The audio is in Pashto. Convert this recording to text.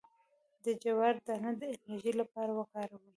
د جوار دانه د انرژي لپاره وکاروئ